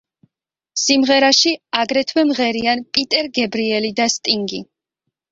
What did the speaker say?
სიმღერაში აგრეთვე მღერიან პიტერ გებრიელი და სტინგი.